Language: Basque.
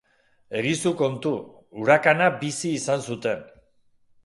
Egizu kontu, hurakana bizi izan zuten.